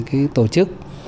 cái tổ chức